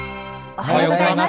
おはようございます。